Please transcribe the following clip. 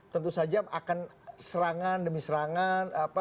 tentu saja akan serangan demi serangan